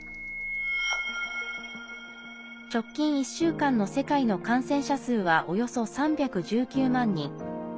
直近１週間の世界の感染者数はおよそ３１９万人。